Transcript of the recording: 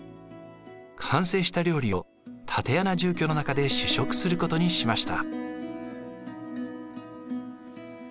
完成した料理を竪穴住居の中で試食することにしました。